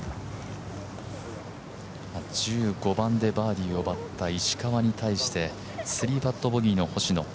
１５番でバーディーを奪った石川に対して、３パットボギーの星野。